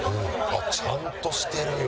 あっちゃんとしてるよ。